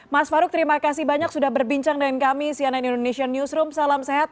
mas farouk terima kasih banyak sudah berbincang dengan kami cnn indonesian newsroom salam sehat